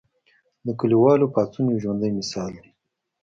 د کلیوالو پاڅون یو ژوندی مثال دی.